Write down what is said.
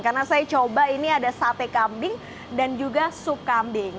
karena saya coba ini ada sate kambing dan juga sup kambing